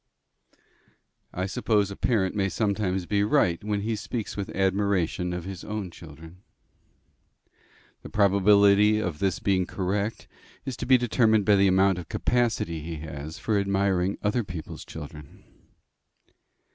I suppose a parent may sometimes be right when he speaks with admiration of his own children. The probability of his being correct is to be determined by the amount of capacity he has for admiring other people's children.